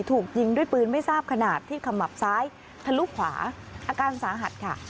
ถูกยิงด้วยปืนไม่ทราบขนาดที่ขมับซ้ายทะลุขวาอาการสาหัสค่ะ